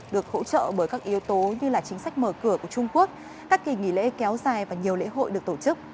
được hỗ trợ bởi các yếu tố như chính sách mở cửa của trung quốc các kỳ nghỉ lễ kéo dài và nhiều lễ hội được tổ chức